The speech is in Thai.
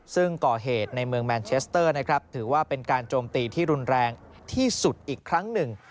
ซึ่งก่อเหตุในเมืองแมนเชสเตอร์นะครับถือว่าเป็นการโจมตีที่รุนแรงที่สุดอีกครั้งหนึ่ง